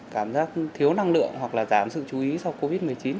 cảm giác thiếu năng lượng hoặc là giảm sự chú ý sau covid một mươi chín